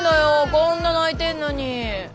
こんな泣いてんのに。